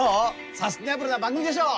サスティナブルな番組でしょう？